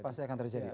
pasti akan terjadi